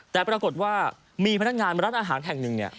แต่ปรากฏว่ามีพนักงานร้านอาหารแห่งหนึ่ง